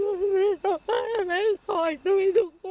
เจ้าแม่รอคอยลูกสาวอยู่ทุกวัน